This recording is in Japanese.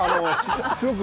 すごく。